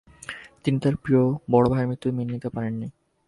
তিনি তার প্রিয় বড় ভাইয়ের মৃত্যু মেনে নিতে পারেননি।